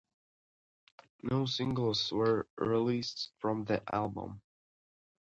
No singles were released from the album.